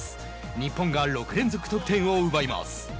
日本が６連続得点を奪います。